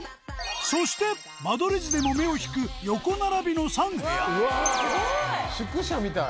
そして間取り図でも目を引く横並びの３部屋宿舎みたい。